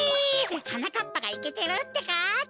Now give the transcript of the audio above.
はなかっぱがイケてるってか？